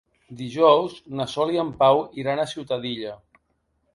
Dijous na Sol i en Pau iran a Ciutadilla.